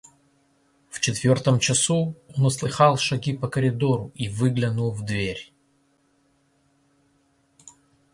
В четвертом часу он услыхал шаги по коридору и выглянул в дверь.